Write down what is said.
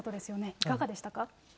いかがでしたか。